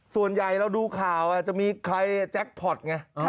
ส่วนใหญ่เราดูข่าวจะมีใครแจ็คพอร์ตไง